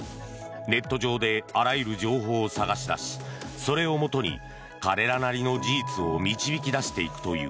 ネット上であらゆる情報を探し出しそれをもとに彼らなりの事実を導き出していくという。